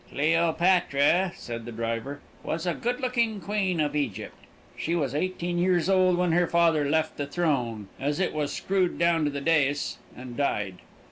"Cleopatra," said the driver, "was a goodlooking Queen of Egypt. She was eighteen years old when her father left the throne, as it was screwed down to the dais, and died.